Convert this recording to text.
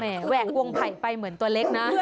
แหวกวงไผ่ไปเหมือนตัวเล็กนะ